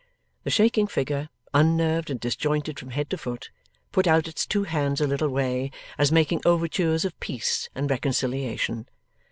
The shaking figure, unnerved and disjointed from head to foot, put out its two hands a little way, as making overtures of peace and reconciliation.